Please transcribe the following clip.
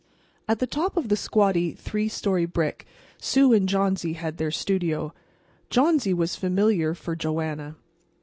At the top of a squatty, three story brick Sue and Johnsy had their studio. "Johnsy" was familiar for Joanna.